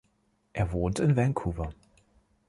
Er wohnt in Vancouver.